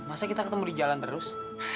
masa kita ketemu di jalan terus